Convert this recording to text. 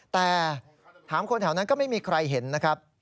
แต่ถามคนแถวนั้นก็ไม่มีใครเห็นนะครับ